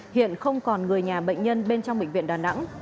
hiện không còn người nhà bệnh nhân bên trong bệnh viện đà nẵng